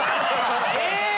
えっ！？